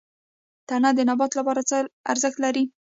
تنه د نبات لپاره څه ارزښت لري؟